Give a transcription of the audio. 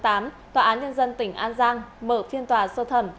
tòa án nhân dân tỉnh an giang mở phiên tòa sơ thẩm